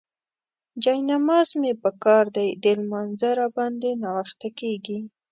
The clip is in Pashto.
جاینماز مې پکار دی، د لمانځه راباندې ناوخته کيږي.